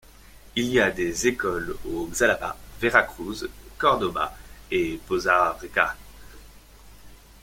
Il y a des écoles au Xalapa, Veracruz, Córdoba et Poza Rica.